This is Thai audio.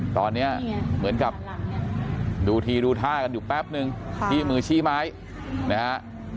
ตอนนี้เหมือนกับดูทีดูท่ากันอยู่แป๊บนึงที่มือชี้ไม้นะฮะ